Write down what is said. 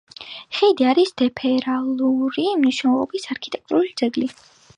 ხიდი არის ფედერალური მნიშვნელობის არქიტექტურული ძეგლი.